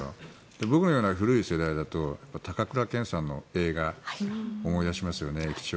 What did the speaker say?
僕のような古い世代だと高倉健さんの映画を思い出しますよね。